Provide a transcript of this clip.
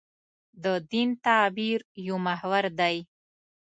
د دین تعبیر یو محور دی.